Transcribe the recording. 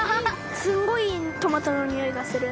すっごいいいトマトのにおいがする。